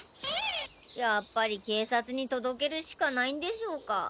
やっぱり警察に届けるしかないんでしょうか。